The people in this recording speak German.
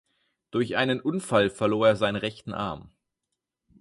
Durch einen Unfall verlor er seinen rechten Arm.